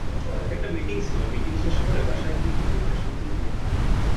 একটা মীটিং ছিল, মীটিং শেষ করে বাসায় ফিরতে-ফিরতে সন্ধ্যা হয়ে গেল।